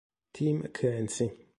Tim Clancy